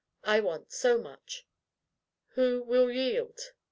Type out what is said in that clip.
I want so much." Who will yield?